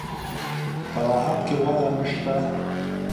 په راحت کې وده نشته.